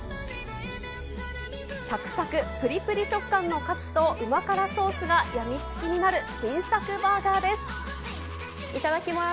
さくさく、ぷりぷり食感のカツと旨辛ソースが病みつきになる新作バーガーです。